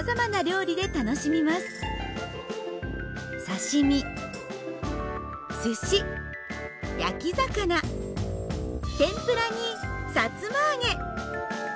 刺身すし焼き魚天ぷらにさつま揚げ。